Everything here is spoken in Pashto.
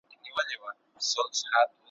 دوو لا نورو ګرېوانونه وه څیرلي ,